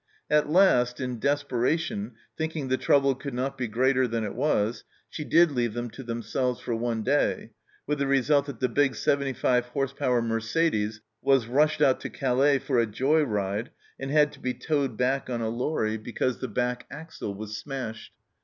At last, in desperation, thinking the trouble could not be greater than it was, she did leave them to them selves for one day, with the result that the big 75 h.p. Mercedes was rushed out to Calais for a joy ride, and had to be towed back on a lorry because 240 THE CELLAR HOUSE OF PERVYSE the back axle was smashed